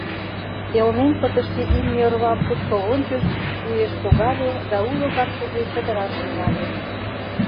Элнен пытыше имне орвам шупшыл ончыш, уэш шогале да уло капшыге чытыраш тӱҥале.